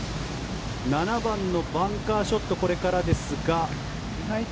７番のバンカーショットこれからですが。